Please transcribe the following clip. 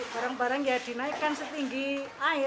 barang barang ya dinaikkan setinggi air